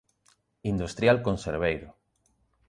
Industrial conserveiro.